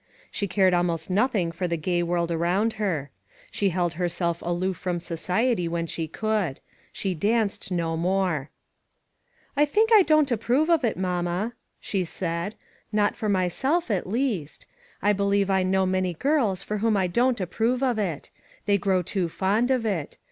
She cared almost nothing for the gay world around her. She held herself aloof from society when she could. She danced no more. " I think I don't approve of it, mamma," she said, "not for myself, at least. I be lieve I know many girls for whom I don't approve of it. They grow too fond of it.